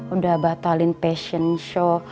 udah batalin passion show